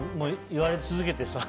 言われ続けてさ。